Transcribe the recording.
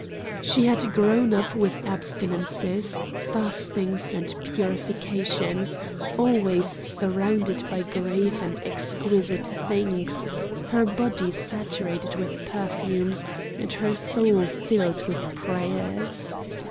She had grown up with abstinences, fastings and purifications, always surrounded by grave and exquisite things, her body saturated with perfumes, and her soul filled with prayers.